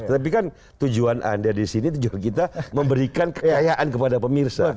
tapi kan tujuan anda di sini tujuan kita memberikan kekayaan kepada pemirsa